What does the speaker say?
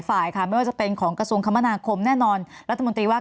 ฝ่ายค่ะไม่ว่าจะเป็นของกระทรวงคมนาคมแน่นอนรัฐมนตรีว่า